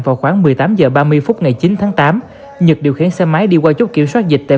vào khoảng một mươi tám h ba mươi phút ngày chín tháng tám nhật điều khiển xe máy đi qua chốt kiểm soát dịch tại